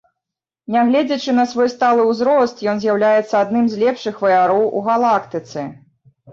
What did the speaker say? Нягледзячы на свой сталы ўзрост, ён з'яўляецца адным з лепшых ваяроў у галактыцы.